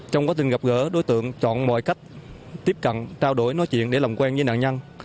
trong quá trình gặp gỡ đối tượng chọn mọi cách tiếp cận trao đổi nói chuyện để làm quen với nạn nhân